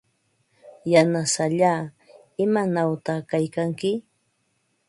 Yanasallaa, ¿imanawta kaykanki?